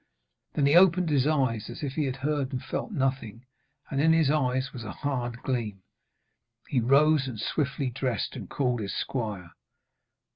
Then he opened his eyes as if he had heard and felt nothing, and in his eyes was a hard gleam. He rose and swiftly dressed, and called his squire.